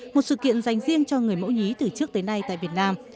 một sự kiện dành riêng cho người mẫu nhí từ trước tới nay tại việt nam